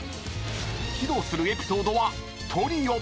［披露するエピソードは「トリオ」］